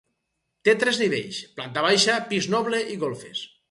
Té tres nivells: planta baixa, pis noble i golfes.